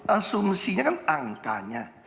asumsinya kan angkanya